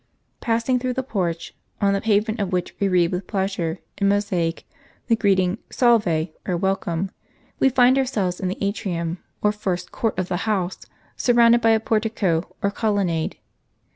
Passing through the porch, on the pavement of which we read with pleasure, in mosaic, the greeting Salve, or Welcome, we find ourselves in the atrium, or first court of the house, surrounded by a portico or colonnade.